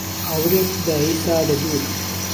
ئاورێک داییسا لە دوور